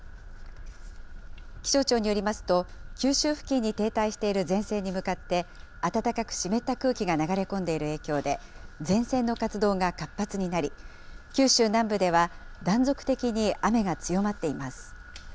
気象庁によりますと、九州付近に停滞している前線に向かって、暖かく湿った空気が流れ込んでいる影響で、前線の活動が活発になり、九州南部では断続的に雨が強まっています。